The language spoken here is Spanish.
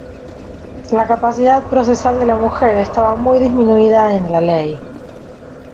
La capacidad procesal de la mujer estaba muy disminuida en la Ley.